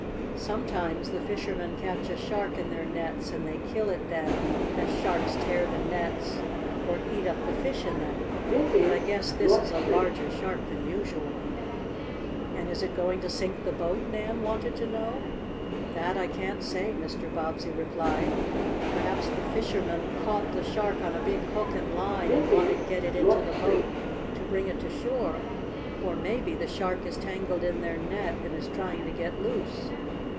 "Sometimes the fishermen catch a shark in their nets, and they kill it then, as sharks tear the nets, or eat up the fish in them. But I guess this is a larger shark than usual." "And is it going to sink the boat?" Nan wanted to know. "That I can't say," Mr. Bobbsey replied. "Perhaps the fishermen caught the shark on a big hook and line, and want to get it into the boat to bring it to shore. Or maybe the shark is tangled in their net and is trying to get loose.